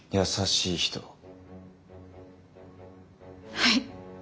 はい。